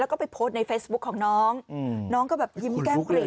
แล้วก็ไปโพสต์ในเฟซบุ๊คของน้องน้องก็แบบยิ้มแก้มเกรด